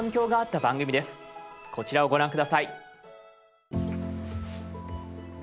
こちらをご覧下さい。